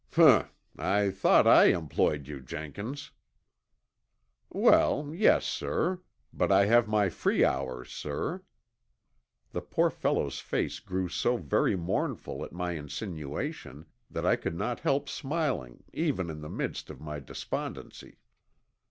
"Humph. I thought I employed you, Jenkins." "Well, yes, sir. But I have my free hours, sir." The poor fellow's face grew so very mournful at my insinuation that I could not help smiling even in the midst of my despondency.